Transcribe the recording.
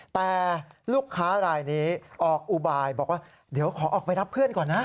แต่ลูกค้ารายนี้ออกอุบายบอกว่าเดี๋ยวขอออกไปรับเพื่อนก่อนนะ